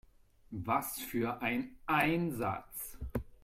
Was für ein Einsatz!